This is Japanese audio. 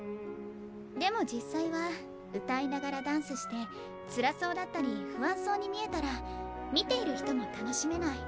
でも実際は歌いながらダンスしてつらそうだったり不安そうに見えたら見ている人も楽しめない。